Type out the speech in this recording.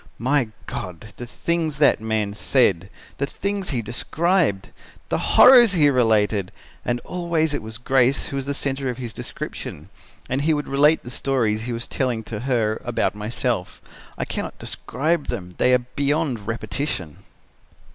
My God! the things that man said! The things he described! The horrors he related! And always it was Grace who was the centre of his description. And he would relate the stories he was telling to her about myself. I cannot describe them. They are beyond repetition."